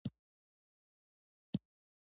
د مالي مرستې له لارې دیني وظیفه ادا کوي.